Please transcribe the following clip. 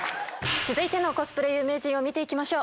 続いてのコスプレ有名人を見ていきましょう。